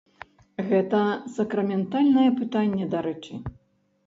Гэта сакраментальнае пытанне, дарэчы.